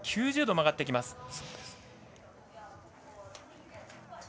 ９０度、曲がってきます。